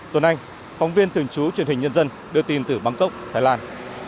tuấn anh phóng viên thường trú truyền hình nhân dân đưa tin từ bangkok thái lan